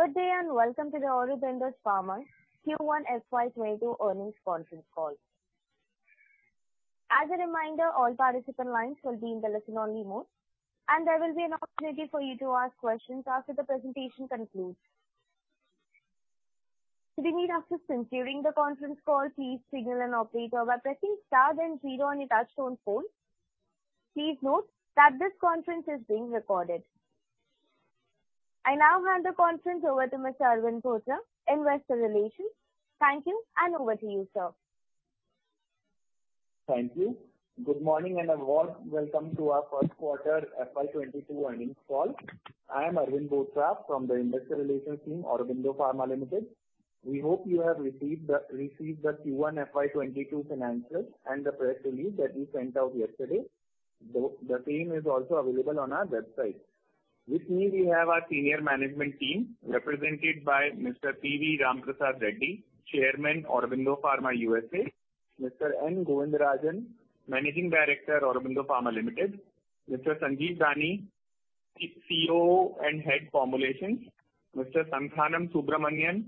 Good day, and welcome to the Aurobindo Pharma Q1 FY 2022 earnings conference call. As a reminder, all participant lines will be in the listen-only mode, and there will be an opportunity for you to ask questions after the presentation concludes. If you need assistance during the conference call, please signal an operator by pressing star then zero on your touch-tone phone. Please note that this conference is being recorded. I now hand the conference over to Mr. Arvind Bothra, Investor Relations. Thank you, and over to you, sir. Thank you. Good morning and a warm welcome to our first quarter FY 2022 earnings call. I am Arvind Bothra from the investor relations team, Aurobindo Pharma Limited. We hope you have received the Q1 FY 2022 financials and the press release that we sent out yesterday. The same is also available on our website. With me, we have our senior management team represented by Mr. P.V. Ram Prasad Reddy, Chairman, Aurobindo Pharma USA, Mr. N. Govindarajan, Managing Director, Aurobindo Pharma Limited, Mr. Sanjeev Dani, CEO and Head, Formulations, Mr. Santhanam Subramanian,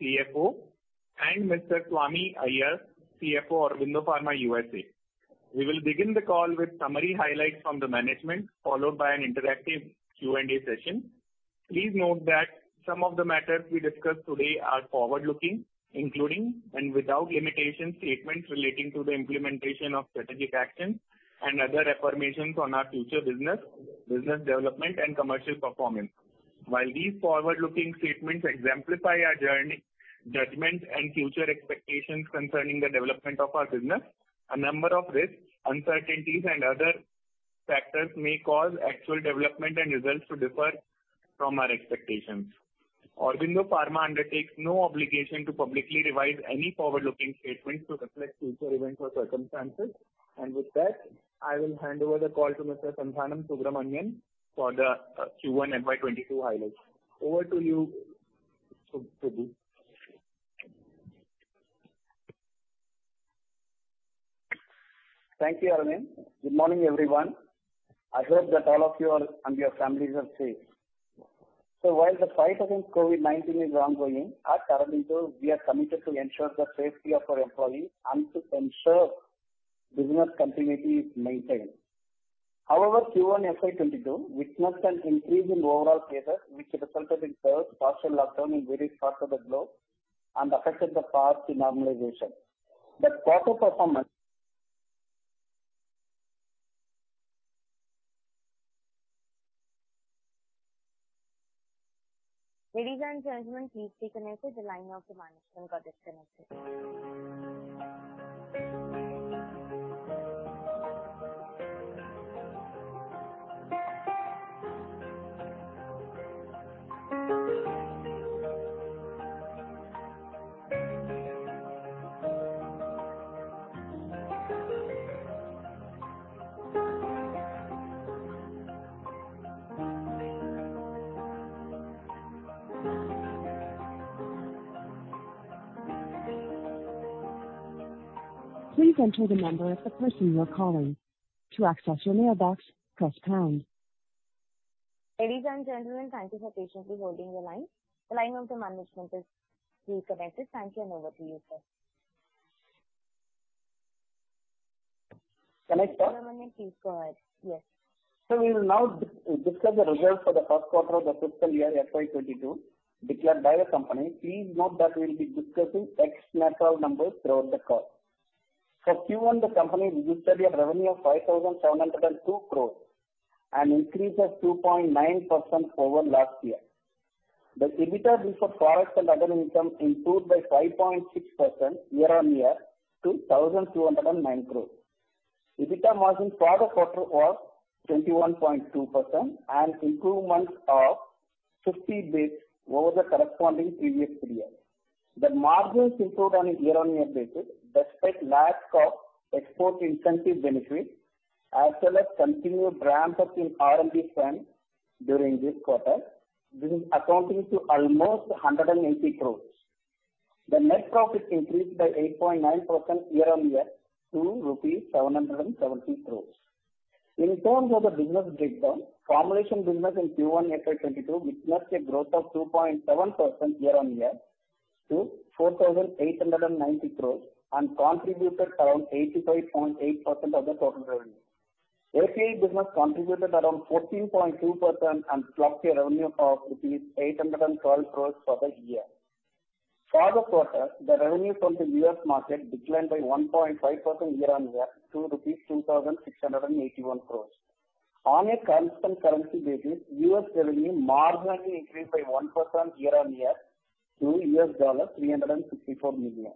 CFO, and Mr. Swami Iyer, CFO, Aurobindo Pharma USA. We will begin the call with summary highlights from the management followed by an interactive Q&A session. Please note that some of the matters we discuss today are forward-looking, including and without limitation statements relating to the implementation of strategic actions and other affirmations on our future business development, and commercial performance. While these forward-looking statements exemplify our judgment and future expectations concerning the development of our business, a number of risks, uncertainties, and other factors may cause actual development and results to differ from our expectations. Aurobindo Pharma undertakes no obligation to publicly revise any forward-looking statements to reflect future events or circumstances. With that, I will hand over the call to Mr. Santhanam Subramanian for the Q1 FY 2022 highlights. Over to you, Subbu. Thank you, Arvind. Good morning, everyone. I hope that all of you and your families are safe. While the fight against COVID-19 is ongoing, at Aurobindo, we are committed to ensure the safety of our employees and to ensure business continuity is maintained. However, Q1 FY 2022 witnessed an increase in overall cases, which resulted in partial lockdown in various parts of the globe and affected the path to normalization. The quarter performance. Ladies and gentlemen, please be connected the line of the management got disconnected. Ladies and gentlemen, thank you for patiently holding the line. The line of the management is reconnected. Thank you, and over to you, sir. Can I start? Mr. Subramanian, please go ahead. Yes. We will now discuss the results for the first quarter of the fiscal year FY 2022 declared by the company. Please note that we'll be discussing ex-net profit numbers throughout the call. For Q1, the company registered a revenue of 5,702 crore, an increase of 2.9% over last year. The EBITDA before foreign and other income improved by 5.6% year-on-year to 1,209 crore. EBITDA margin for the quarter was 21.2% and improvement of 50 basis points over the corresponding previous period. The margins improved on a year-on-year basis despite lack of export incentive benefit as well as continued ramp-up in R&D spend during this quarter, this accounting to almost 180 crore. The net profit increased by 8.9% year-on-year to rupees 770 crore. In terms of the business breakdown, formulation business in Q1 FY 2022 witnessed a growth of 2.7% year-on-year to 4,890 crore and contributed around 85.8% of the total revenue. API business contributed around 14.2% and clocked a revenue of rupees 812 crore for the year. For the quarter, the revenue from the U.S. market declined by 1.5% year-on-year to rupees 2,681 crore. On a constant currency basis, U.S. revenue marginally increased by 1% year-on-year to $364 million.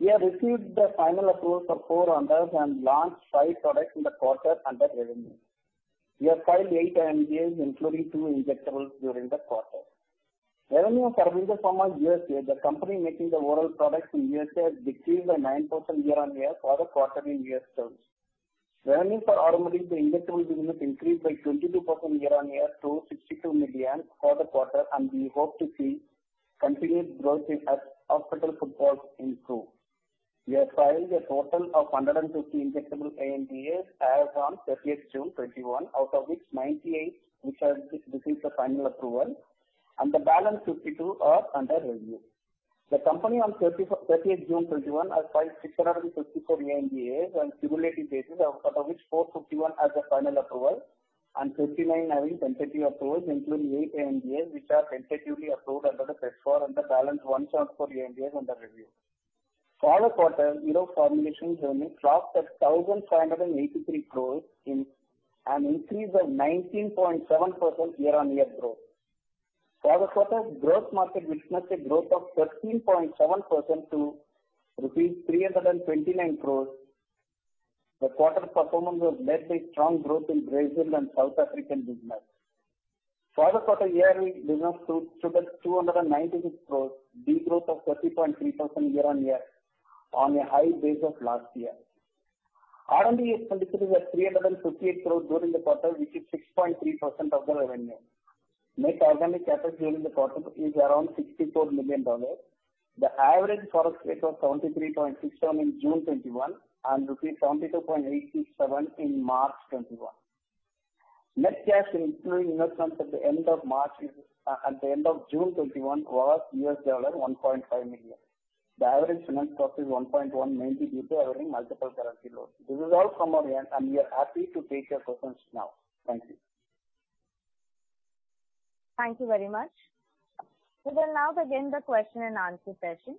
We have received the final approval for four ANDAs and launched five products in the quarter under revenue. We have filed eight ANDAs including two injectables during the quarter. Revenue for Aurobindo Pharma USA, the company making the oral products in U.S.A., decreased by 9% year-on-year for the quarter in U.S. terms. Revenue for Eugia, the injectable business, increased by 22% year-on-year to $62 million for the quarter and we hope to see continued growth as hospital footfalls improve. We have filed a total of 150 injectable ANDAs as on 30th June 2021, out of which 98, which have received the final approval, and the balance 52 are under review. The company on 30th June 2021 has filed 664 ANDAs on a cumulative basis, out of which 451 have the final approval and 39 having tentative approvals, including eight ANDAs, which are tentatively approved under the Paragraph IV and the balance 104 ANDAs under review. For the quarter, Europe Formulations revenue clocked at 1,583 crore in an increase of 19.7% year-on-year growth. For the quarter, gross margin witnessed a growth of 13.7% to rupees 329 crore. The quarter performance was led by strong growth in Brazil and South African business. For the quarter, EBIT witnessed 296 crore, degrowth of 30.3% year-on-year on a high base of last year. R&D expenditures were INR 358 crore during the quarter, which is 6.3% of the revenue. Net organic capex during the quarter is around INR 64 million. The average forex rate was 73.67 in June 2021 and rupees 72.87 in March 2021. Net cash including investments at the end of June 2021 was $1.5 million. The average finance cost is 1.19 million due to having multiple currency loans. This is all from our end, and we are happy to take your questions now. Thank you. Thank you very much. We will now begin the question-and-answer session.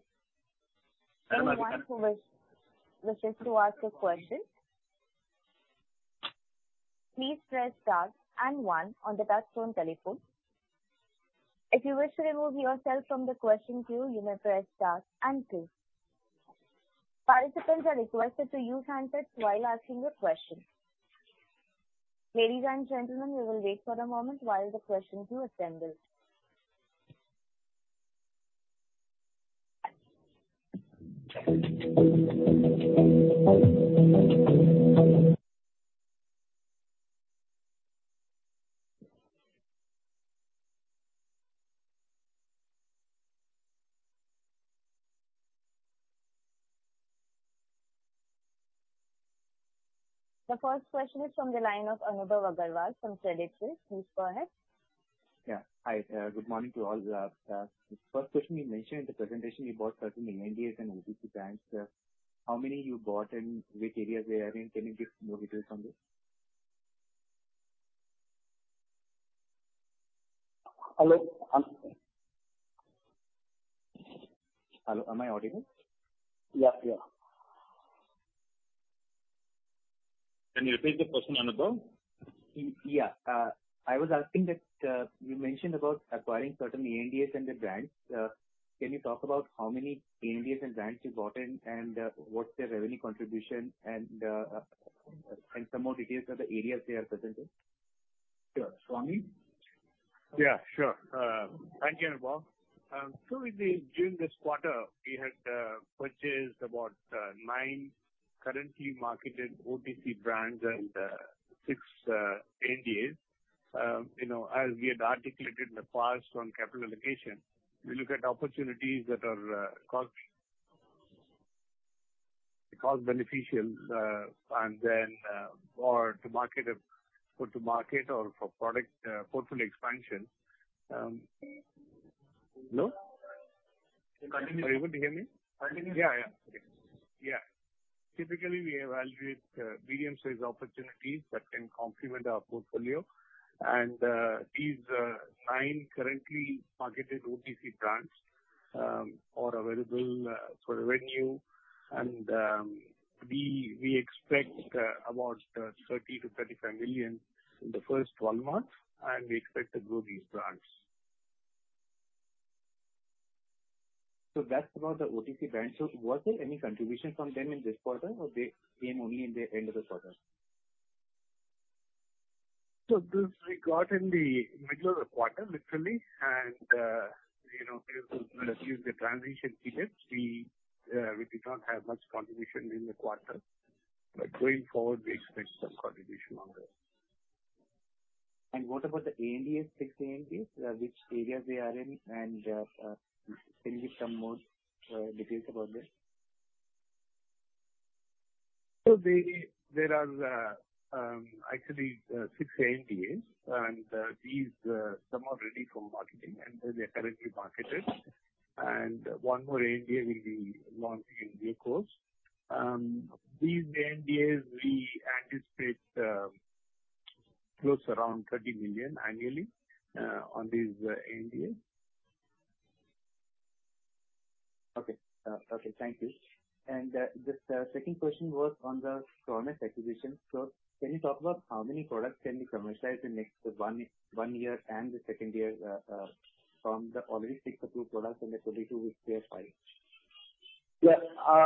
The first question is from the line of Anubhav Agarwal from Credit Suisse. Please go ahead. Yeah. Hi. Good morning to all. First question, you mentioned in the presentation you bought certain ANDAs and OTC brands. How many you bought and which areas they are in? Can you give more details on this? Hello, am I audible? Yeah. Can you repeat the question, Anubhav? Yeah. I was asking that you mentioned about acquiring certain ANDAs and the brands. Can you talk about how many ANDAs and brands you bought and what's their revenue contribution and some more details of the areas they are present in? Sure. SwamI? Yeah, sure. Thank you, Anubhav. During this quarter, we had purchased about nine currently marketed OTC brands and six ANDAs. As we had articulated in the past on capital allocation, we look at opportunities that are cost beneficial and then or to market or for product portfolio expansion. Hello? Continue. Are you able to hear me? Continue. Yeah. Yeah. Typically, we evaluate medium-sized opportunities that can complement our portfolio. These nine currently marketed OTC brands are available for revenue, and we expect about $30 million-$35 million in the first 12 months, and we expect to grow these brands. That's about the OTC brands. Was there any contribution from them in this quarter, or they came only in the end of the quarter? This we got in the middle of the quarter, literally. We have to use the transition period. We did not have much contribution in the quarter. Going forward, we expect some contribution on this. What about the ANDAs, six ANDAs? Which areas they are in, and can you give some more details about this? There are actually six ANDAs, and these some are ready for marketing and then they're currently marketed, and one more ANDA will be launching in due course. These ANDAs we anticipate close around $30 million annually on these ANDAs. Okay. Thank you. The second question was on the Cronus acquisition. Can you talk about how many products can be commercialized in next one year and the second year from the already six approved products and the 22 which they have filed? Yeah.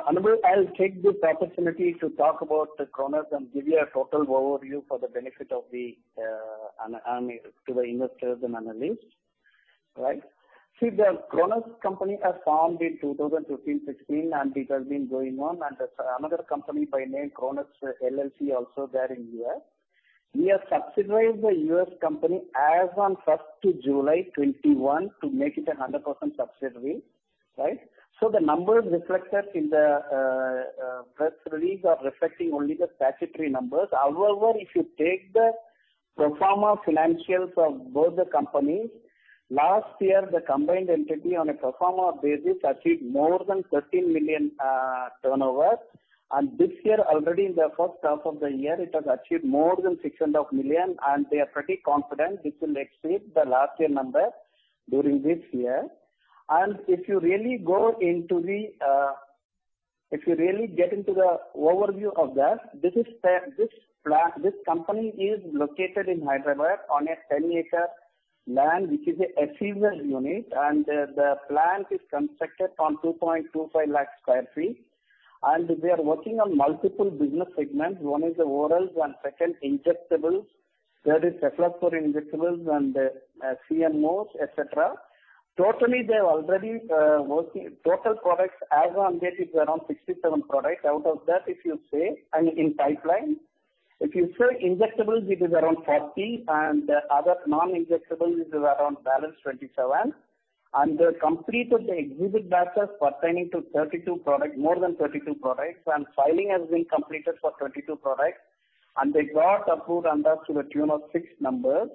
Anubhav, I'll take this opportunity to talk about the Cronus and give you a total overview for the benefit to the investors and analysts. Right. See, the Cronus company was founded in 2015-2016. It has been going on. Another company by name Cronus LLC also there in the U.S. We have subsidized the U.S. company as on 1st of July 2021 to make it 100% subsidiary. The numbers reflected in the press release are reflecting only the statutory numbers. However, if you take the pro forma financials of both the companies, last year the combined entity on a pro forma basis achieved more than $13 million turnover. This year, already in the first half of the year, it has achieved more than $6.5 million, and they are pretty confident this will exceed the last year number during this year. If you really get into the overview of that, this company is located in Hyderabad on a 10-acre land, which is a FOCUS unit, and the plant is constructed on 2.25 lakh sq ft. They are working on multiple business segments. One is the orals and second, injectables. Third is peptide for injectables and CMOs, et cetera. Totally, they have already Total products as on date is around 67 products. Out of that, if you say, in pipeline, if you say injectables, it is around 40, and other non-injectables is around balance 27. They completed the exhibit batches pertaining to more than 32 products, and filing has been completed for 22 products, and they got approved and that's to the tune of six numbers.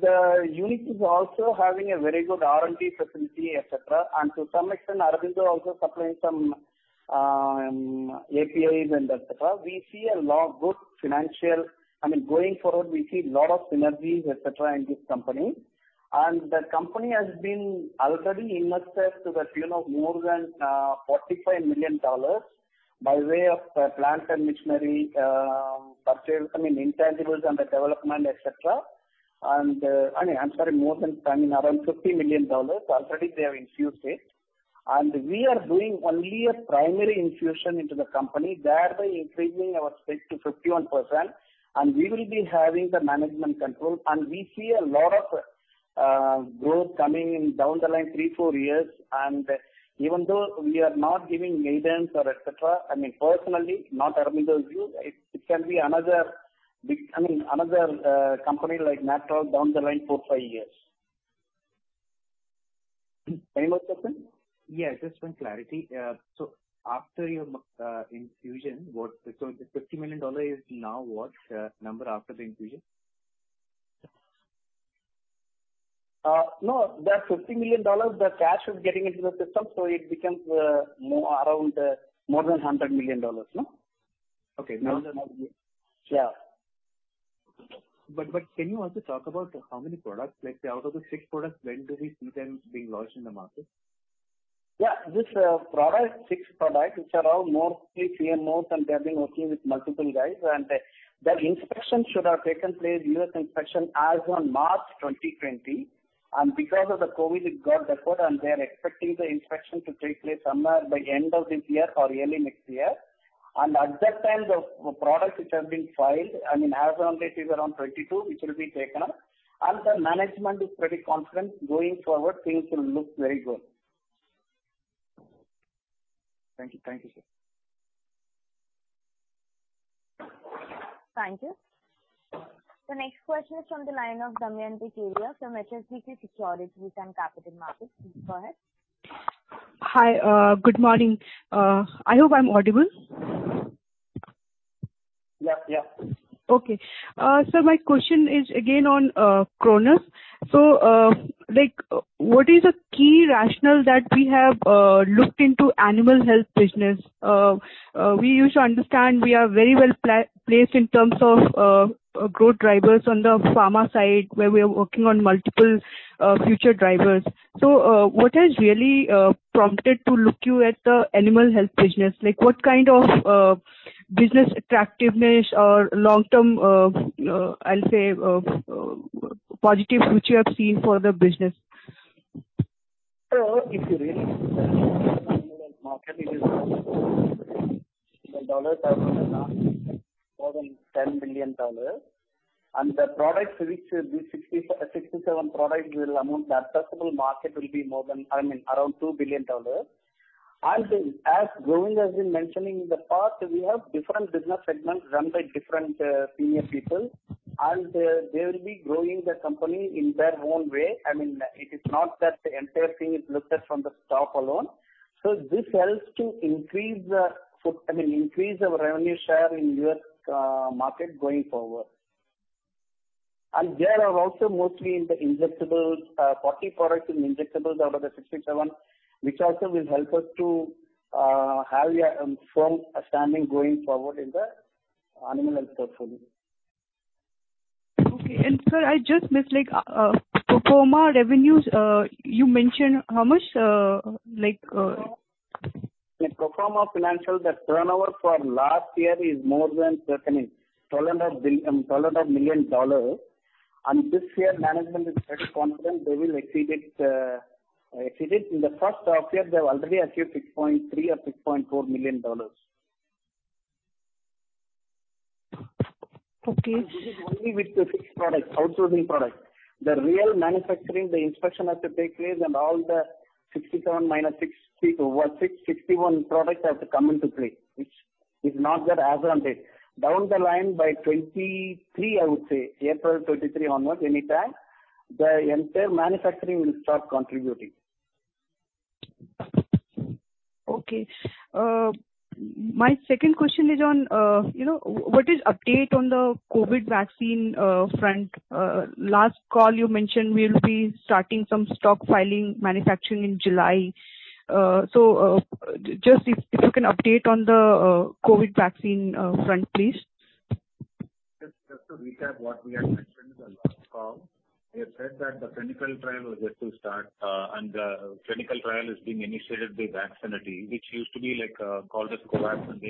The unit is also having a very good R&D facility, et cetera. To some extent, Aurobindo also supplies some APIs and et cetera. Going forward, we see lot of synergies, et cetera, in this company. The company has been already invested to the tune of more than $45 million by way of plant and machinery purchases, intangibles under development, et cetera. I'm sorry, more than around $50 million already they have infused it. We are doing only a primary infusion into the company, thereby increasing our stake to 51%. We will be having the management control. We see a lot of growth coming down the line three, four years. Even though we are not giving guidance or et cetera, personally, not Aurobindo's view, it can be another company like Natco down the line four, five years. Any more question? Yeah, just one clarity. After your infusion, the $50 million is now what number after the infusion? No, that $50 million, the cash is getting into the system, so it becomes more than $100 million. No? Okay. Yeah. Can you also talk about how many products? Out of the six products, when do we see them being launched in the market? Yeah. This product, six products, which are all mostly CMOs, and they have been working with multiple guys, and the U.S. inspection should have taken place as on March 2020. Because of the COVID, it got deferred, and they are expecting the inspection to take place somewhere by end of this year or early next year. At that time, the products which have been filed, as on date is around 22, which will be taken up. The management is pretty confident going forward, things will look very good. Thank you, sir. Thank you. The next question is from the line of Damayanti Kerai from HSBC Securities and Capital Markets. Go ahead. Hi. Good morning. I hope I'm audible. Yeah. Okay. Sir, my question is again on Cronus. What is the key rationale that we have looked into animal health business? We use to understand we are very well-placed in terms of growth drivers on the pharma side, where we are working on multiple future drivers. What has really prompted to look you at the animal health business? What kind of business attractiveness or long-term, I'll say, positive future have seen for the business? If you really look at the animal health market, it is more than $10 billion. The products, which will be 67 products, will amount to addressable market will be around $2 billion. As Govind has been mentioning in the past, we have different business segments run by different senior people, and they will be growing the company in their own way. It is not that the entire thing is looked at from the top alone. This helps to increase our revenue share in U.S. market going forward. There are also mostly in the injectables, 40 products in injectables out of the 67, which also will help us to have a firm standing going forward in the animal health portfolio. Okay. Sir, I just missed, pro forma revenues, you mentioned how much? The pro forma financial, the turnover for last year is more than $12.5 million. This year management is pretty confident they will exceed it. In the first half-year, they've already achieved $6.3 million or $6.4 million. Okay. This is only with the six products, outsourcing products. The real manufacturing, the inspection has to take place and all the 67 minus six, 61 products have to come into play, which is not there as on date. Down the line by 2023, I would say, April 2023 onwards, anytime, the entire manufacturing will start contributing. Okay. My second question is on what is update on the COVID vaccine front. Last call you mentioned we'll be starting some stock filing manufacturing in July. Just if you can update on the COVID vaccine front, please. Just to recap what we had mentioned in the last call, we had said that the clinical trial was yet to start, and the clinical trial is being initiated by Vaxxinity, which used to be called as COVAXX.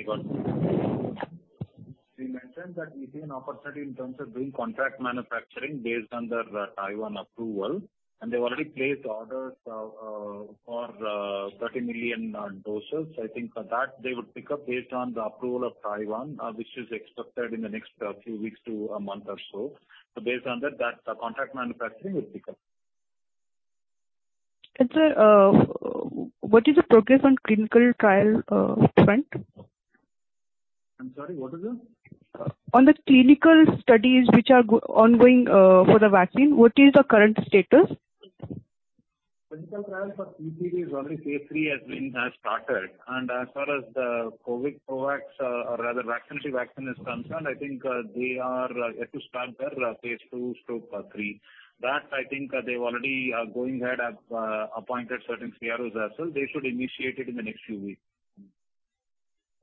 We mentioned that we see an opportunity in terms of doing contract manufacturing based on their Taiwan approval, and they've already placed orders for 30 million doses. I think for that they would pick up based on the approval of Taiwan, which is expected in the next few weeks to a month or so. Based on that contract manufacturing will pick up. Sir, what is the progress on clinical trial front? I'm sorry, what is that? On the clinical studies which are ongoing for the vaccine, what is the current status? Clinical trial for PCV is only phase III has started. As far as the COVID COVAXX or rather Vaxxinity vaccine is concerned, I think they are yet to start their phase II, phase III. That I think they've already going ahead, have appointed certain CROs as well. They should initiate it in the next few weeks.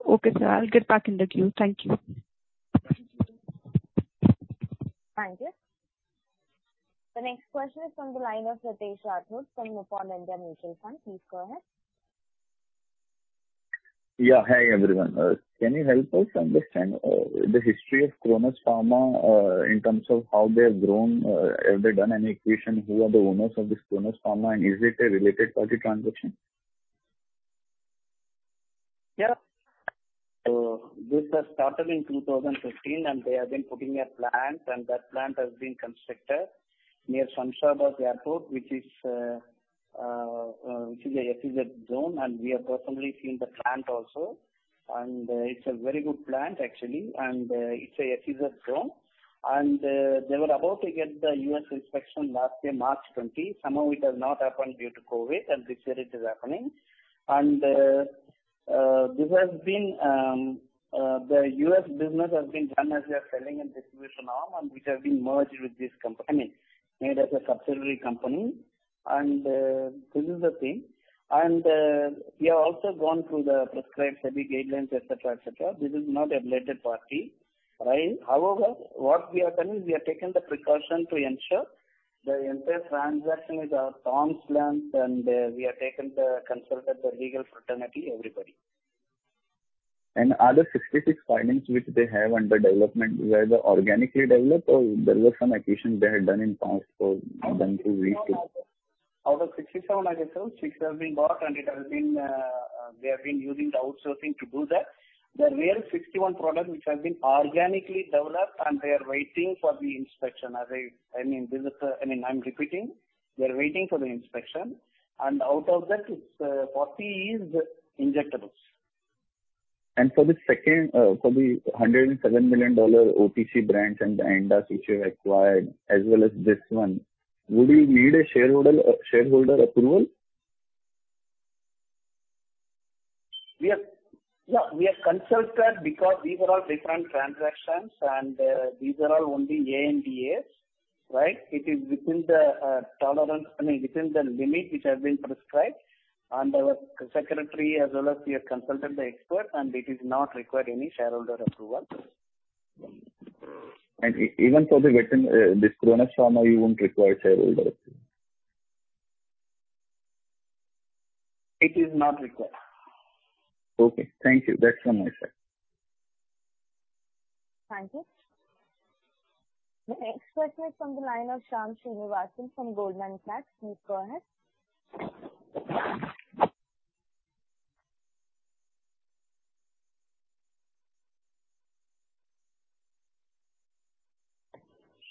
Okay, sir. I'll get back in the queue. Thank you. Thank you. The next question is on the line of Ritesh Rathod from Nippon India Mutual Fund. Please go ahead. Yeah. Hi, everyone. Can you help us understand the history of Cronus Pharma, in terms of how they have grown? Have they done any acquisition? Who are the owners of this Cronus Pharma, and is it a related party transaction? This was started in 2015. They have been putting a plant, that plant has been constructed near Shamshabad Airport, which is a SEZ zone. We have personally seen the plant also. It's a very good plant, actually. It's a SEZ zone. They were about to get the U.S. inspection last year, March 20. Somehow it has not happened due to COVID. This year it is happening. The U.S. business has been done as we are selling a distribution arm, which have been made as a subsidiary company. This is the thing. We have also gone through the prescribed SEBI guidelines, et cetera. This is not a related party. However, what we have done is we have taken the precaution to ensure the entire transaction is at arm's length. We have consulted the legal fraternity, everybody. Are the 66 filings which they have under development, were they organically developed, or there were some acquisitions they had done in past, done through? Out of 67, I guess so, six have been bought. They have been using the outsourcing to do that. The real 61 products which has been organically developed. They are waiting for the inspection. I'm repeating. They're waiting for the inspection. Out of that, 40 is injectables. For the $107 million OTC brands and the ANDAs which you have acquired as well as this one, would you need a shareholder approval? Yeah. We have consulted because these are all different transactions, and these are all only ANDAs. It is within the limit which has been prescribed, and our secretary as well as we have consulted the expert, and it is not required any shareholder approval. Even for this Cronus Pharma, you won't require shareholder approval? It is not required. Okay. Thank you. That's from my side. Thank you. The next question is from the line of Shyam Srinivasan from Goldman Sachs. Please go ahead.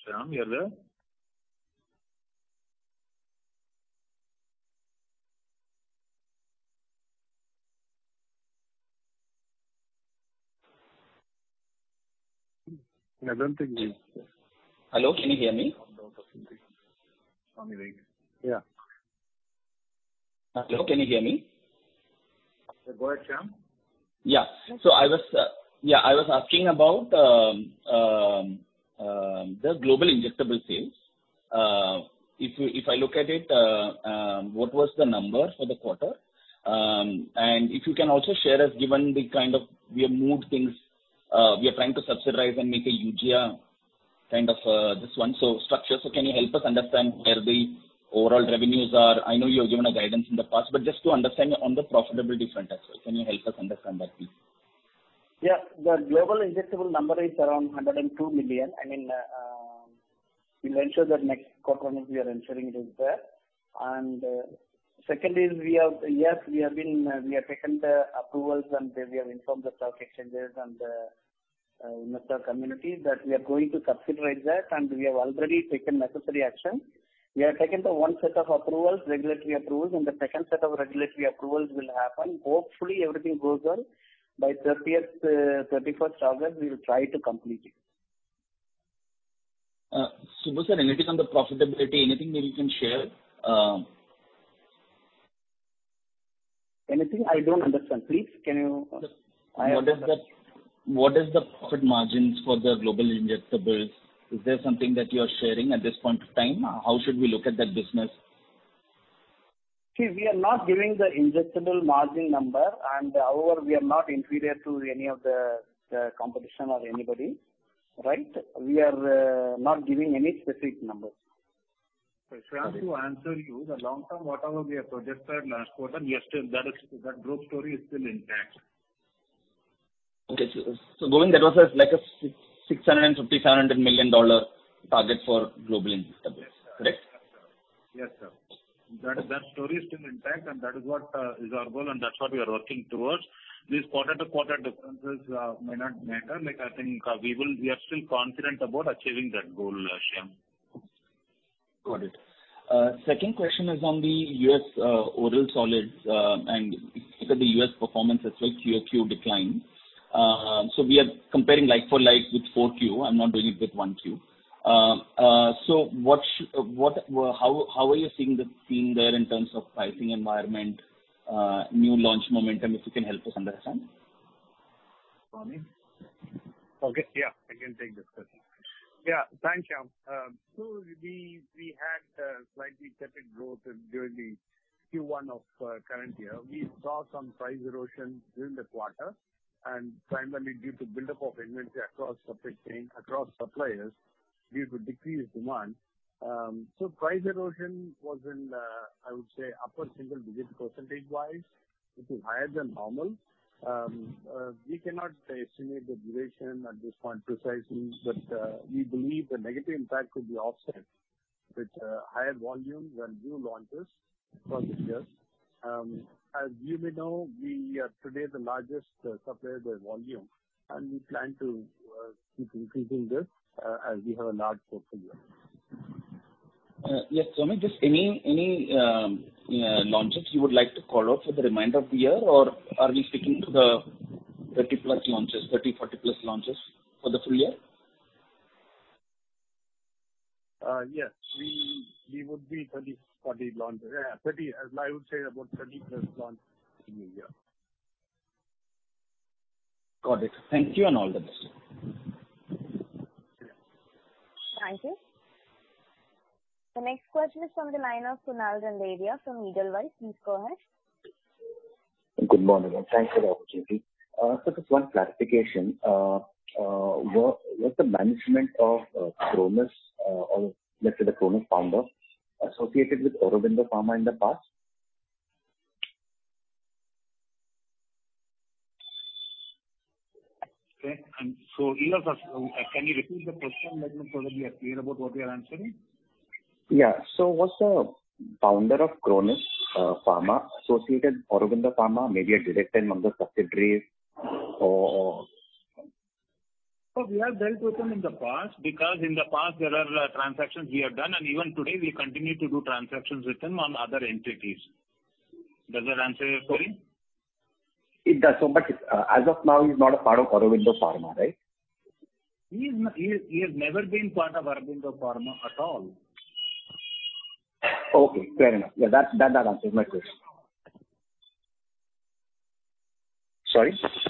Shyam, you're there? I don't think he is there. Hello, can you hear me? Yeah. Hello, can you hear me? Yeah, go ahead, Shyam. Yeah. I was asking about the global injectable sales. If I look at it, what was the number for the quarter? If you can also share, as given we have moved things, we are trying to subsidize and make a Eugia kind of this one, structure. Can you help us understand where the overall revenues are? I know you have given a guidance in the past, but just to understand on the profitability front as well, can you help us understand that, please? Yeah. The global injectable number is around $102 million. We'll ensure that next quarter onwards we are ensuring it is there. Second is, yes, we have taken the approvals and we have informed the stock exchanges and the investor community that we are going to subsidize that, and we have already taken necessary action. We have taken the one set of approvals, regulatory approvals, and the second set of regulatory approvals will happen. Hopefully, everything goes well. By 31st August, we will try to complete it. Subbu, anything on the profitability? Anything that you can share? Anything? I don't understand. Please, can you? What is the profit margins for the Global Injectables? Is there something that you are sharing at this point of time? How should we look at that business? See, we are not giving the injectable margin number, and however, we are not inferior to any of the competition or anybody. Right. We are not giving any specific numbers. Shyam, to answer you, the long term, whatever we have projected last quarter, that growth story is still intact. Okay. Govind, that was like a $650 million, $700 million target for Global Injectables. Yes, sir. Correct? Yes, sir. That story is still intact, and that is what is our goal and that's what we are working towards. These quarter-to-quarter differences may not matter. I think we are still confident about achieving that goal, Shyam. Got it. Second question is on the U.S. oral solids. If you look at the U.S. performance as well, QOQ decline. We are comparing like-for-like with 4Q. I'm not doing it with 1Q. How are you seeing the scene there in terms of pricing environment, new launch momentum, if you can help us understand? Swami? Okay, yeah. I can take this question. Yeah, thanks, Shyam. We had a slightly tepid growth during the Q1 of current year. We saw some price erosion during the quarter, and primarily due to buildup of inventory across supply chain, across suppliers due to decreased demand. Price erosion was in the, I would say, upper single digits percentage-wise, which is higher than normal. We cannot estimate the duration at this point precisely, but we believe the negative impact will be offset with higher volumes and new launches across the years. As you may know, we are today the largest supplier by volume, and we plan to keep increasing this as we have a large portfolio. Yes, Swami, just any launches you would like to call out for the remainder of the year? Or are we sticking to the 30+ launches, 30, 40+ launches for the full year? Yes. We would be 30, 40 launches. Yeah, 30. I would say about 30+ launches in the year. Got it. Thank you and all the best. Thank you. Thank you. The next question is from the line of Kunal Randeria from Edelweiss. Please go ahead. Good morning. Thanks for the opportunity. Just one clarification. Was the management of Cronus, or let's say the Cronus founder, associated with Aurobindo Pharma in the past? Okay. Can you repeat the question so that we are clear about what we are answering? Yeah. Was the founder of Cronus Pharma associated with Aurobindo Pharma, maybe a director in one of the subsidiaries or? We have dealt with them in the past because in the past there are transactions we have done, and even today we continue to do transactions with them on other entities. Does that answer your query? It does. But as of now, he's not a part of Aurobindo Pharma, right? He has never been part of Aurobindo Pharma at all. Okay, fair enough. Yeah, that answers my question. Sorry? Hello?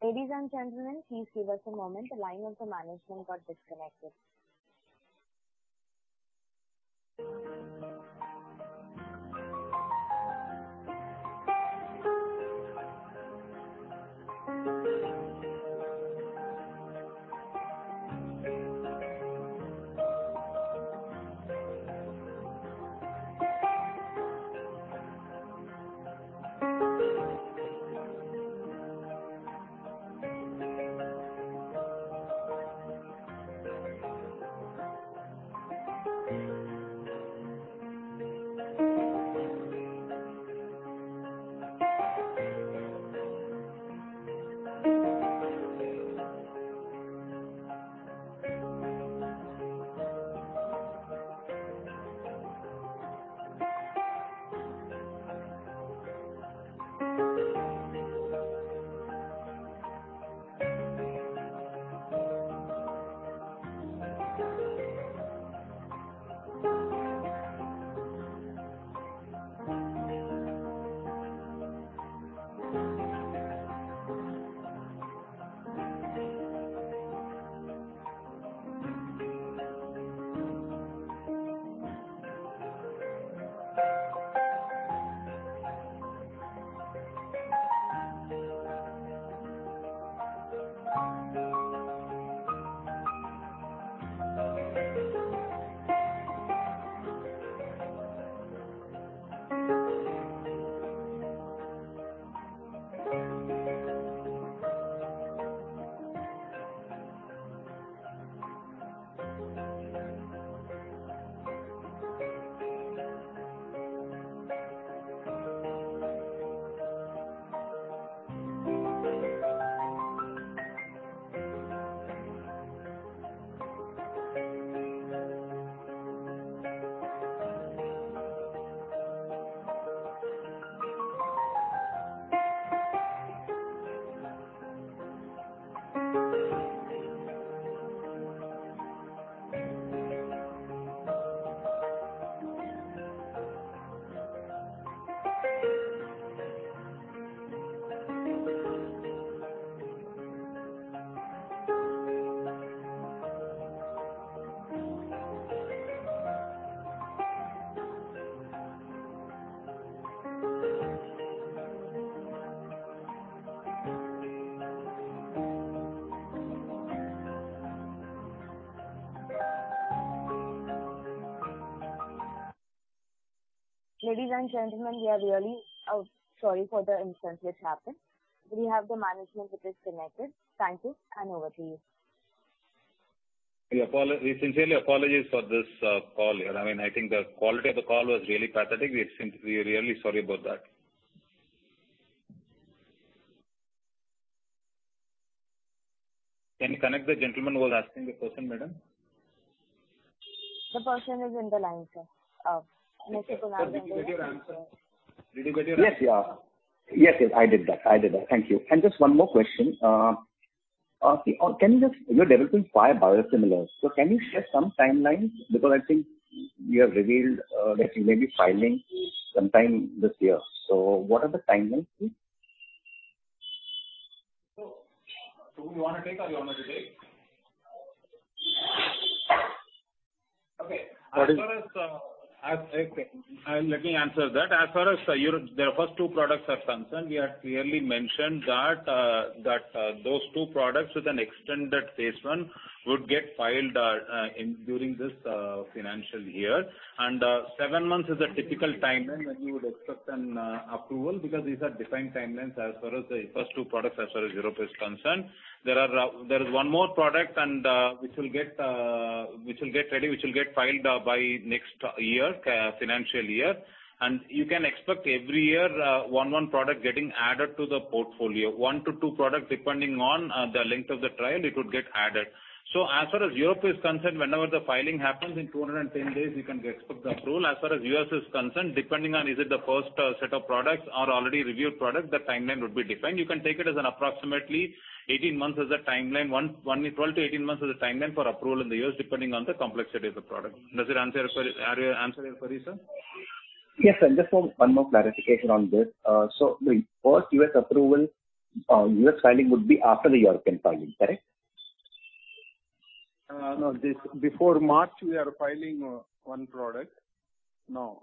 Ladies and gentlemen, please give us a moment. The line with the management got disconnected. Ladies and gentlemen, we are really sorry for the incident which happened. We have the management which is connected. Thank you, and over to you. We sincerely apologize for this call here. I think the quality of the call was really pathetic. We are really sorry about that. Can you connect the gentleman who was asking the question, madam? The person is in the line, sir. Sir, did you get your answer? Did you get your answer? Yes. I did that. Thank you. Just one more question. You're developing five biosimilars. Can you share some timelines? Because I think you have revealed that you may be filing sometime this year. What are the timelines, please? Subbu, you want to take or you want me to take? Okay. Let me answer that. As far as the first two products are concerned, we have clearly mentioned that those two products with an extended phase I would get filed during this financial year. Seven months is a typical timeline that you would expect an approval because these are different timelines as far as the first two products as far as Europe is concerned. There is one more product which will get ready, which will get filed by next financial year. You can expect every year one product getting added to the portfolio. One to two products, depending on the length of the trial, it would get added. As far as Europe is concerned, whenever the filing happens, in 210 days, you can expect approval. As far as the U.S. is concerned, depending on is it the first set of products or already reviewed product, the timeline would be different. You can take it as approximately 18 months as the timeline. 12-18 months is the timeline for approval in the U.S. depending on the complexity of the product. Does it answer your query, sir? Yes, sir. Just one more clarification on this. The first U.S. approval, U.S. filing would be after the European filing, correct? No. Before March, we are filing one product. No,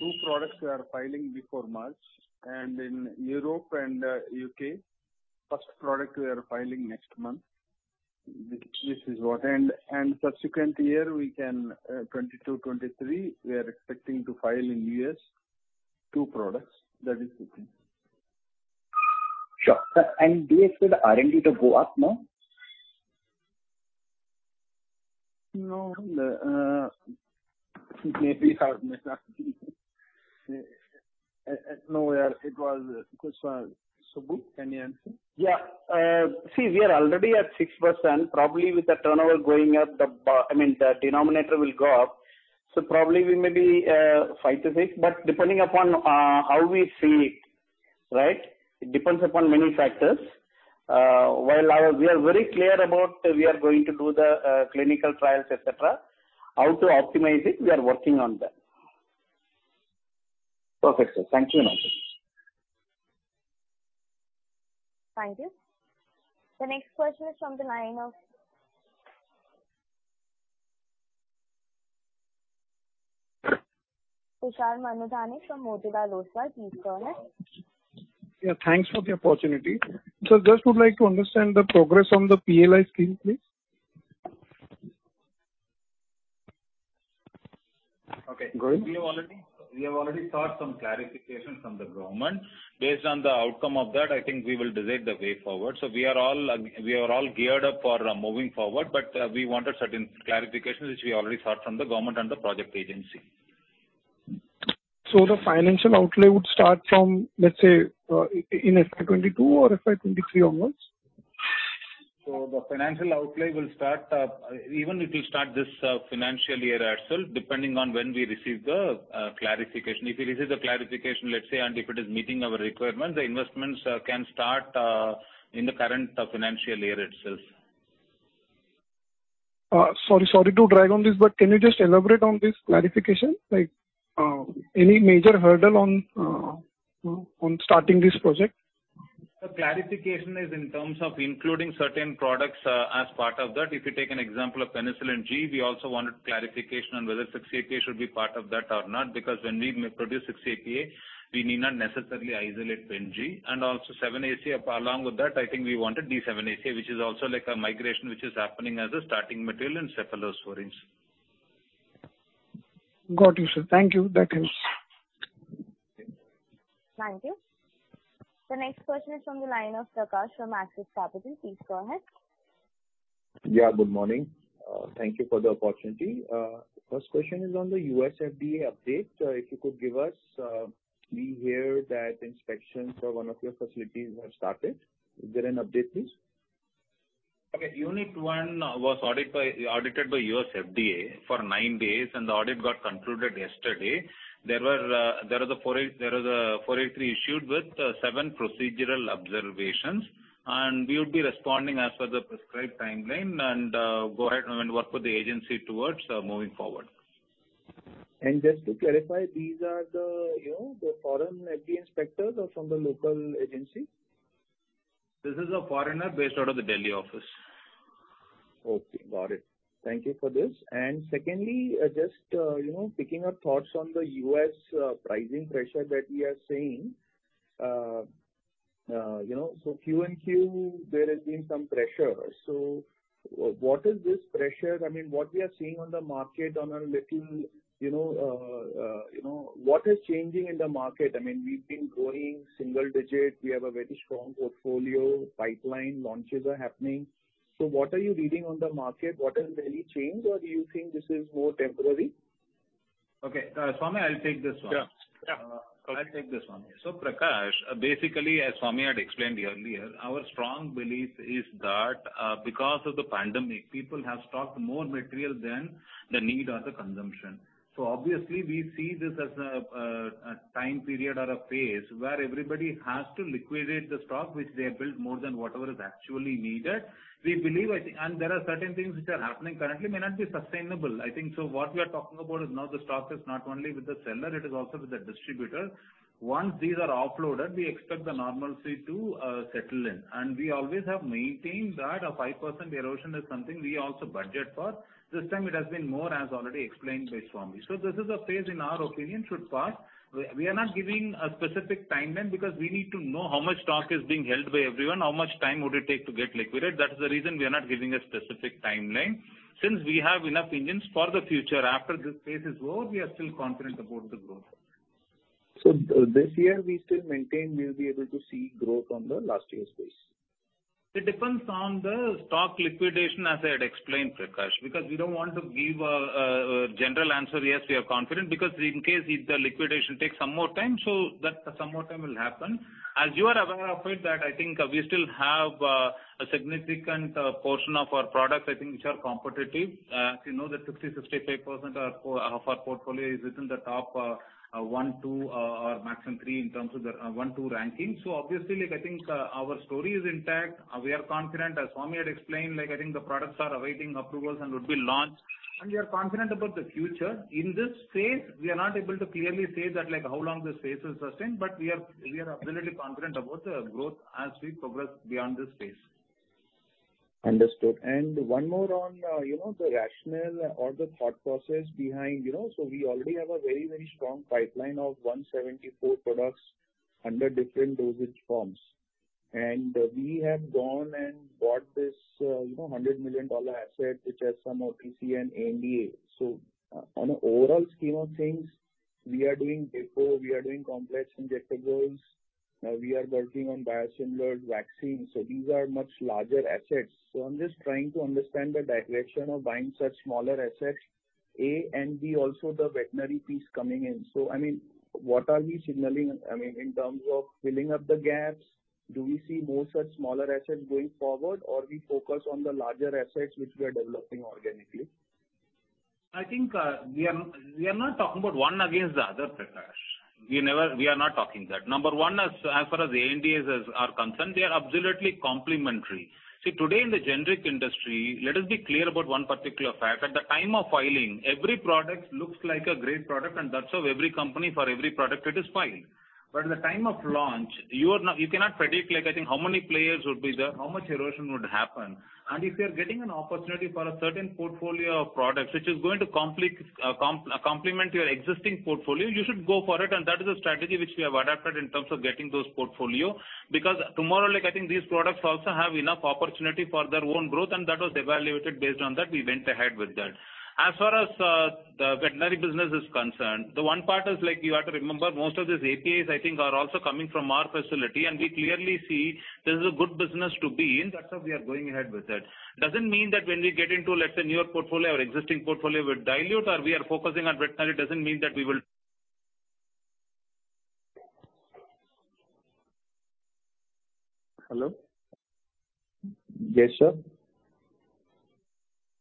two products we are filing before March. In Europe and U.K., first product we are filing next month. This is what. Subsequent year, 2022, 2023, we are expecting to file in U.S. two products. That is the thing. Sure. Sir, do you expect the R&D to go up now? No. Maybe Subbu, can you answer? Yeah. We are already at 6%. Probably with the turnover going up, the denominator will go up. Probably we may be 5%-6%, depending upon how we see it. It depends upon many factors. While we are very clear about we are going to do the clinical trials, et cetera, how to optimize it, we are working on that. Perfect, sir. Thank you in all cases. Thank you. The next question is from the line of Tushar Manudhane from Motilal Oswal. Please go ahead. Yeah, thanks for the opportunity. Sir, just would like to understand the progress on the PLI scheme, please. Okay. Go ahead. We have already sought some clarification from the government. Based on the outcome of that, I think we will decide the way forward. We are all geared up for moving forward, but we want a certain clarification, which we already sought from the government and the project agency. The financial outlay would start from, let's say, in FY 2022 or FY 2023 onwards? The financial outlay, even it will start this financial year itself, depending on when we receive the clarification. If we receive the clarification, let's say, and if it is meeting our requirements, the investments can start in the current financial year itself. Sorry to drag on this, but can you just elaborate on this clarification? Like any major hurdle on starting this project? The clarification is in terms of including certain products as part of that. If you take an example of penicillin G, we also wanted clarification on whether 6-APA should be part of that or not, because when we produce 6-APA, we need not necessarily isolate Pen-G. Also 7-ACA along with that, I think we wanted 7-ACA, which is also like a migration which is happening as a starting material in cephalosporins. Got you, sir. Thank you. That helps. Thank you. The next question is from the line of Prakash from Axis Capital. Please go ahead. Yeah. Good morning. Thank you for the opportunity. First question is on the U.S. FDA update. We hear that inspections for one of your facilities have started. Is there an update, please? Okay. Unit one was audited by U.S. FDA for nine days, and the audit got concluded yesterday. There were 483 issues with seven procedural observations, and we would be responding as per the prescribed timeline and go ahead and work with the agency towards moving forward. Just to clarify, these are the foreign FDA inspectors or from the local agency? This is a foreigner based out of the Delhi office. Okay, got it. Thank you for this. Secondly, just picking up thoughts on the U.S. pricing pressure that we are seeing. Q1 and Q2, there has been some pressure. What is this pressure? What we are seeing on the market? What is changing in the market? We've been growing single digit. We have a very strong portfolio, pipeline launches are happening. What are you reading on the market? What has really changed, or do you think this is more temporary? Okay. Swami, I'll take this one. Yeah. I'll take this one. Prakash, basically, as Swami had explained earlier, our strong belief is that because of the pandemic, people have stocked more material than the need or the consumption. Obviously we see this as a time period or a phase where everybody has to liquidate the stock which they have built more than whatever is actually needed. There are certain things which are happening currently may not be sustainable, I think. What we are talking about is now the stock is not only with the seller, it is also with the distributor. Once these are offloaded, we expect the normalcy to settle in. We always have maintained that a 5% erosion is something we also budget for. This time it has been more as already explained by Swami. This is a phase, in our opinion, should pass. We are not giving a specific timeline because we need to know how much stock is being held by everyone, how much time would it take to get liquidated. That is the reason we are not giving a specific timeline. Since we have enough engines for the future after this phase is over, we are still confident about the growth. This year we still maintain we'll be able to see growth on the last year's base. It depends on the stock liquidation, as I had explained, Prakash, because we don't want to give a general answer, yes, we are confident, because in case if the liquidation takes some more time, so that some more time will happen. As you are aware of it, that I think we still have a significant portion of our products, I think, which are competitive. As you know, the 60%, 65% of our portfolio is within the top one, two, or maximum three in terms of the one, two ranking. Obviously, I think our story is intact. We are confident. As Swami had explained, I think the products are awaiting approvals and would be launched and we are confident about the future. In this phase, we are not able to clearly say that how long this phase is sustained, but we are absolutely confident about the growth as we progress beyond this phase. Understood. One more on the rationale or the thought process behind. We already have a very, very strong pipeline of 174 products under different dosage forms. We have gone and bought this $100 million asset, which has some OTC and NDA. On an overall scheme of things, we are doing depot, we are doing complex injectables. We are working on biosimilars, vaccines. These are much larger assets. I'm just trying to understand the direction of buying such smaller assets, A, and B, also the veterinary piece coming in. What are we signaling in terms of filling up the gaps? Do we see more such smaller assets going forward, or we focus on the larger assets which we are developing organically? I think we are not talking about one against the other, Prakash. We are not talking that. Number one, as far as the ANDAs are concerned, they are absolutely complementary. See, today in the generic industry, let us be clear about one particular fact. At the time of filing, every product looks like a great product. That's why every company for every product, it is filed. At the time of launch, you cannot predict, I think, how many players would be there, how much erosion would happen. If you're getting an opportunity for a certain portfolio of products which is going to complement your existing portfolio, you should go for it. That is the strategy which we have adapted in terms of getting those portfolio. Tomorrow, I think these products also have enough opportunity for their own growth. That was evaluated based on that. We went ahead with that. As far as the veterinary business is concerned, the one part is you have to remember most of these APIs, I think, are also coming from our facility. We clearly see this is a good business to be in. That's why we are going ahead with that. Doesn't mean that when we get into, let's say, newer portfolio or existing portfolio will dilute or we are focusing on veterinary doesn't mean that we will. Hello?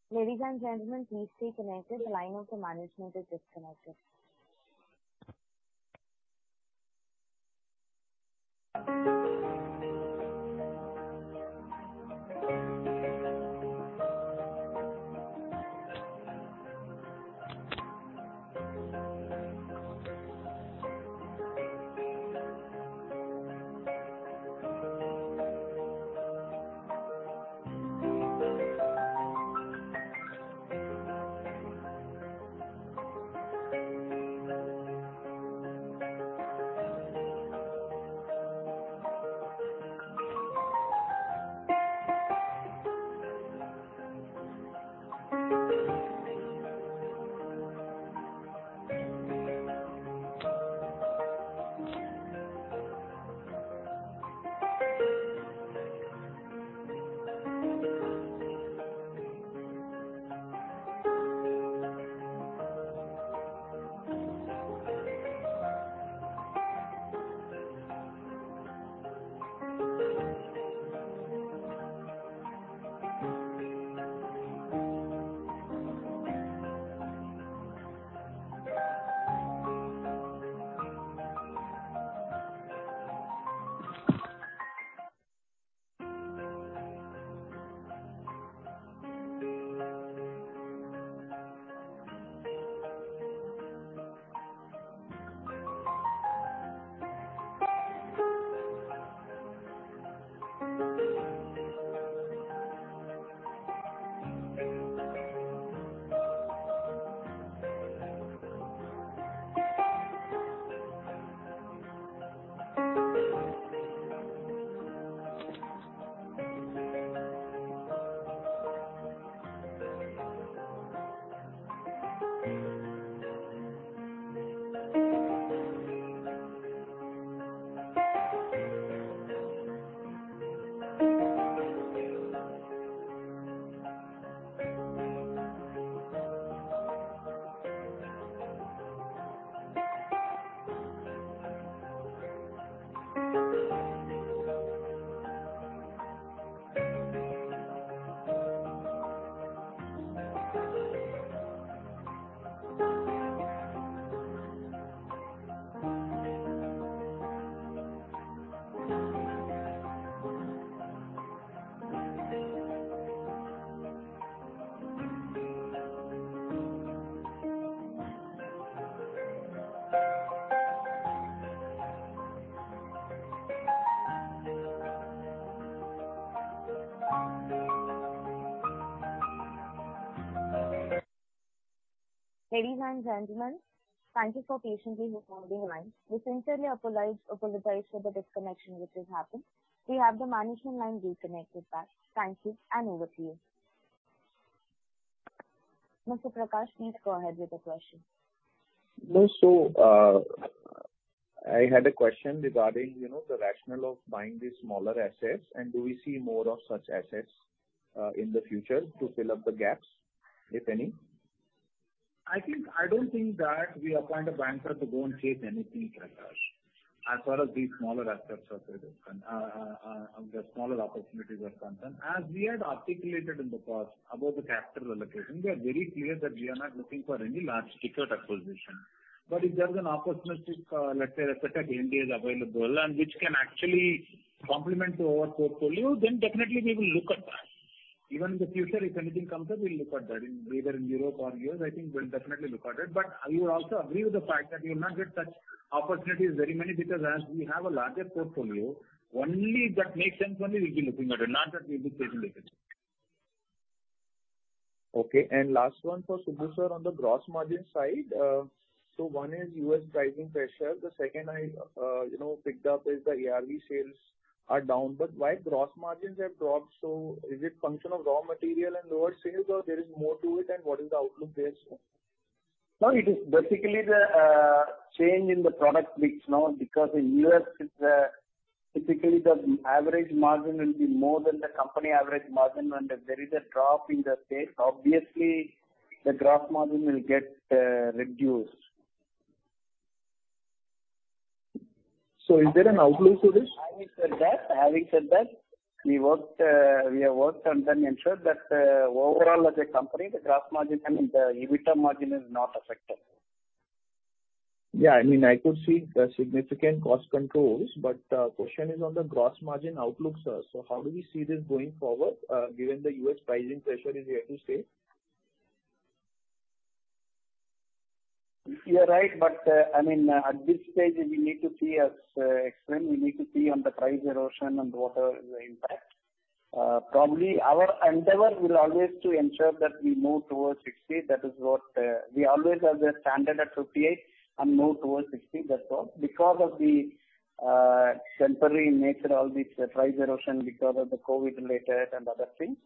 Ladies and gentlemen, please stay connected. Line of the management is disconnected. Ladies and gentlemen, thank you for patiently holding the line. We sincerely apologize for the disconnection which has happened. We have the management line reconnected back. Thank you, and over to you. Mr. Prakash, please go ahead with the question. I had a question regarding the rationale of buying these smaller assets, and do we see more of such assets in the future to fill up the gaps, if any? I don't think that we appoint a banker to go and chase anything, Prakash. As far as these smaller assets are concerned, the smaller opportunities are concerned. As we had articulated in the past about the capital allocation, we are very clear that we are not looking for any large ticket acquisition. If there is an opportunistic, let's say, asset at ANDA is available and which can actually complement our portfolio, then definitely we will look at that. Even in the future, if anything comes up, we'll look at that either in Europe or U.S., I think we'll definitely look at it. You also agree with the fact that you'll not get such opportunities very many because as we have a larger portfolio, only that makes sense only we'll be looking at it, not that we'll be chasing it. Okay. Last one for Subbu, sir, on the gross margin side. One is U.S. pricing pressure. The second I picked up is the ARV sales are down. Why gross margins have dropped? Is it function of raw material and lower sales, or there is more to it, and what is the outlook there? No, it is basically the change in the product mix now because in U.S., typically, the average margin will be more than the company average margin. If there is a drop in the sales, obviously the gross margin will get reduced. Is there an outlook to this? Having said that, we have worked and then ensured that overall as a company, the gross margin and the EBITDA margin is not affected. Yeah. I could see the significant cost controls, but the question is on the gross margin outlook, sir. How do we see this going forward given the U.S. pricing pressure is here to stay? You're right. At this stage, we need to see as explained, we need to see on the price erosion and whatever is the impact. Probably our endeavor will always to ensure that we move towards 60. We always have the standard at 58 and move towards 60, that's all. Because of the temporary nature of this price erosion because of the COVID related and other things,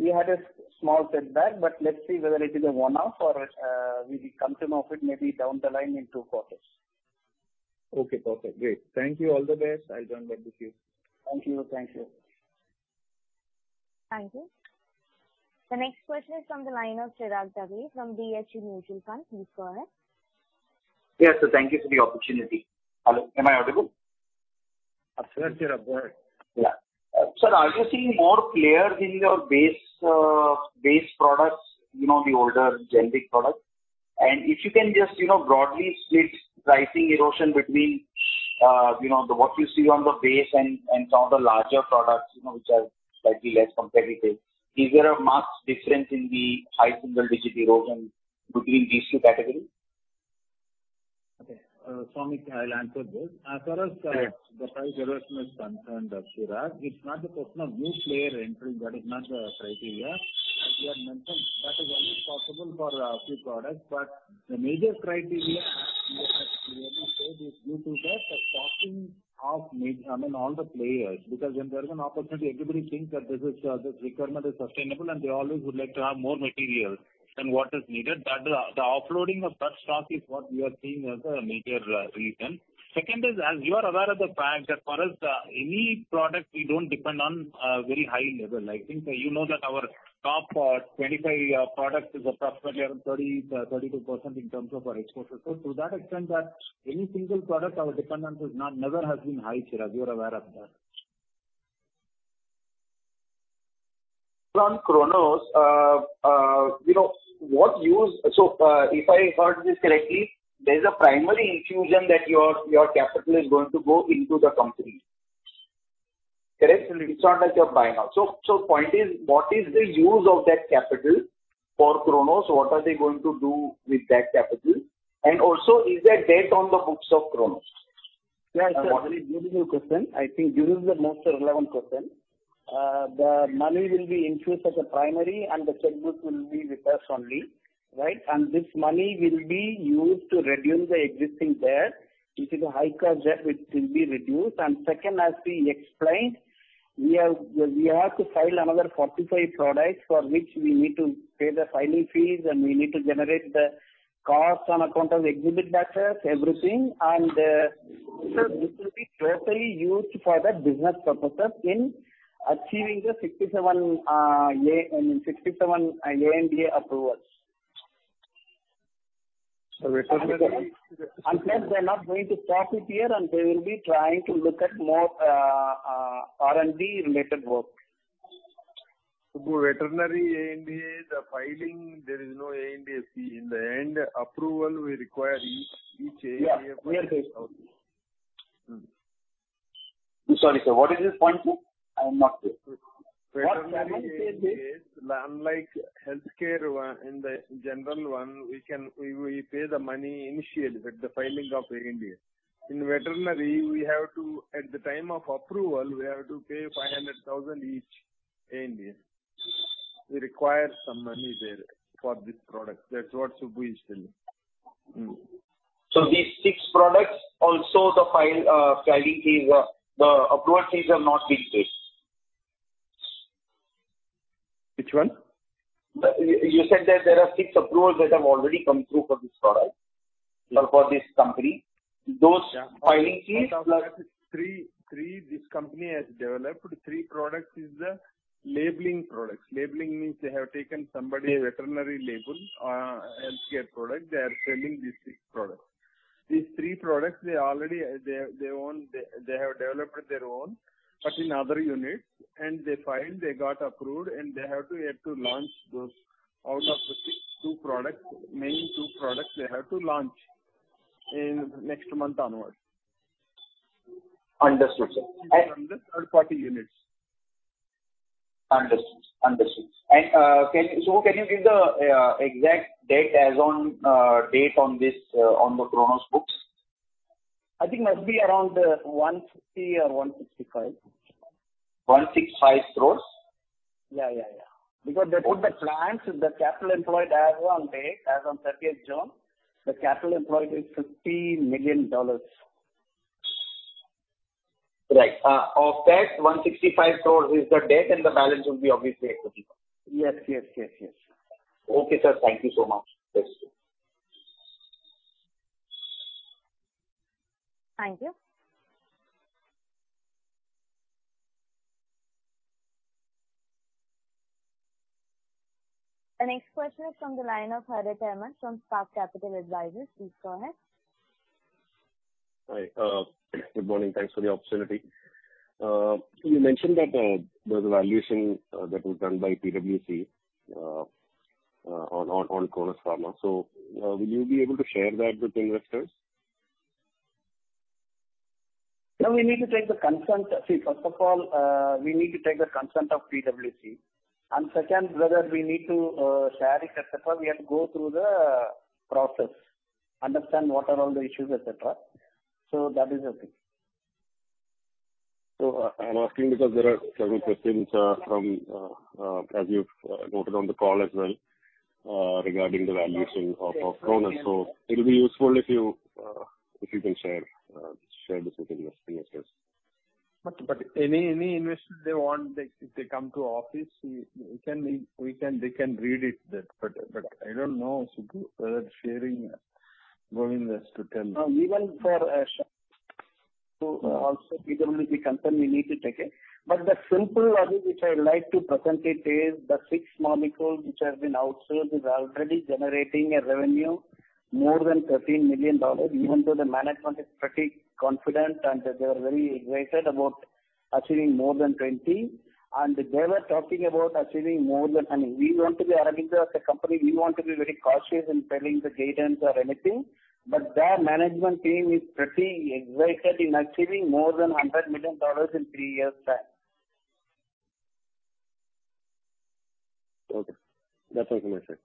we had a small setback, let's see whether it is a one-off or we will come to know of it maybe down the line in 2 quarters. Okay, perfect. Great. Thank you. All the best. I'll join back with you. Thank you. Thank you. The next question is from the line of Chirag Dagli from DSP Mutual Fund. Please go ahead. Yes, sir. Thank you for the opportunity. Hello, am I audible? Absolutely. Yeah. Sir, are you seeing more players in your base products, the older generic products? If you can just broadly split pricing erosion between what you see on the base and some of the larger products which are slightly less competitive. Is there a marked difference in the high single-digit erosion between these two categories? Okay. Swami, I'll answer this. As far as the price erosion is concerned, Chirag, it's not a question of new player entering. That is not the criteria. Possible for a few products, the major criteria is due to the stocking of all the players, because when there is an opportunity, everybody thinks that this requirement is sustainable, and they always would like to have more material than what is needed. The offloading of such stock is what we are seeing as a major reason. Second is, as you are aware of the fact that for us, any product, we don't depend on a very high level. I think you know that our top 25 products is approximately around 30%-32% in terms of our exports. To that extent, any single product our dependence never has been high, Chirag, you are aware of that. On Cronus, if I heard this correctly, there is a primary infusion that your capital is going to go into the company. Correct? It's not that you're buying out. Point is, what is the use of that capital for Cronus? What are they going to do with that capital? Also is that debt on the books of Cronus? Yes, sir. A very good new question. I think this is the most relevant question. The money will be infused as a primary, and the second will be with us only. This money will be used to reduce the existing debt, which is a high-cost debt, which will be reduced. Second, as we explained, we have to file another 45 products for which we need to pay the filing fees, and we need to generate the cost on account of exhibit batches, everything. Sir, this will be totally used for the business purposes in achieving the 67 ANDA approvals. Plus they are not going to stop it here, and they will be trying to look at more R&D related work. Subbu, veterinary ANDA, the filing, there is no ANDA fee. In the end, approval we require each ANDA. Yeah. Okay. Sorry, sir, what is this point, sir? I am not clear. Veterinary is unlike healthcare one and the general one, we pay the money initially with the filing of ANDA. In veterinary, at the time of approval, we have to pay $500,000 each ANDA. We require some money there for this product. That's what Subbu is telling. These six products, also the approval fees have not been paid? Which one? You said that there are six approvals that have already come through for this product or for this company. Those filing fees. Out of that, this company has developed three products, is the labeling products. Labeling means they have taken somebody's veterinary label, healthcare product, they are selling these three products. These three products, they have developed their own, but in other units. They filed, they got approved, and they have to yet to launch those. Out of the six, two products, main two products they have to launch in next month onward. Understood, sir. From the third-party units. Understood. Subbu, can you give the exact date as on date on the Cronus books? I think must be around 150 crore or 165 crore. 165 crore? Yeah. Because they put the plans, the capital employed as on date, as on thirtieth June, the capital employed is $50 million. Right. Of that 165 crore is the debt and the balance will be obviously equity. Yes. Okay, sir. Thank you so much. Thank you. Thank you. The next question is from the line of Harit Ahamed from Spark Capital Advisors. Please go ahead. Hi. Good morning. Thanks for the opportunity. You mentioned that there was a valuation that was done by PwC on Cronus Pharma. Will you be able to share that with investors? No. See, first of all, we need to take the consent of PwC. Second, whether we need to share it, et cetera, we have to go through the process, understand what are all the issues, et cetera. That is the thing. I'm asking because there are several questions from, as you've noted on the call as well, regarding the valuation of Cronus. It will be useful if you can share this with investors. Any investor, if they come to office, they can read it there. I don't know, Subbu, whether sharing, going this to tell. Even for also PwC consent we need to take it. The simple logic which I like to present it is the six molecules which have been outsourced is already generating a revenue more than $13 million, even though the management is pretty confident and they are very excited about achieving more than $20 million. We want to be honorable as a company. We want to be very cautious in telling the guidance or anything. Their management team is pretty excited in achieving more than $100 million in three years time. Okay. That's all from my side.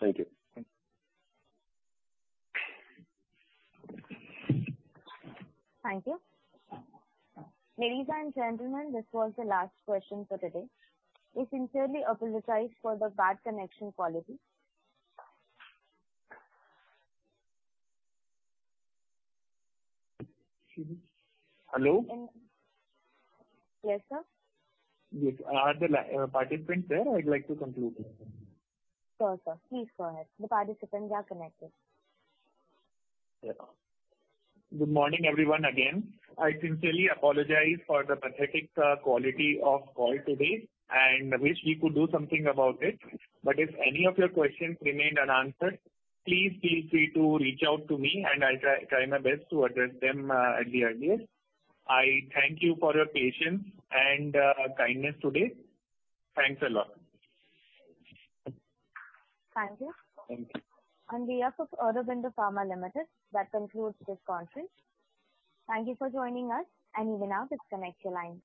Thank you. Thank you. Ladies and gentlemen, this was the last question for today. We sincerely apologize for the bad connection quality. Hello? Yes, sir. Are the participants there? I'd like to conclude this. Sure, sir. Please go ahead. The participants are connected. Good morning, everyone, again. I sincerely apologize for the pathetic quality of call today, and wish we could do something about it. If any of your questions remained unanswered, please feel free to reach out to me, and I'll try my best to address them at the earliest. I thank you for your patience and kindness today. Thanks a lot. Thank you. On behalf of Aurobindo Pharma Limited, that concludes this conference. Thank you for joining us, and you may now disconnect your lines.